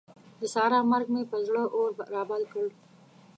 د سارا مرګ مې پر زړه اور رابل کړ.